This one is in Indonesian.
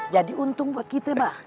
jadi untung buat kita mbah